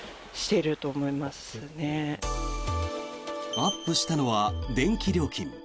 アップしたのは電気料金。